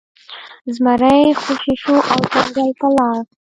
زمری خوشې شو او ځنګل ته لاړ.